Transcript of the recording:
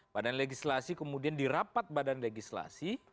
badan legislasi kemudian di rapat badan legislasi